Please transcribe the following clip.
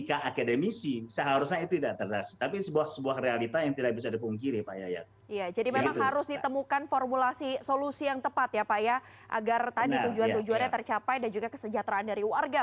jakarta menjadi jakarta raya pasca ikn menjadi ibu kota nusantara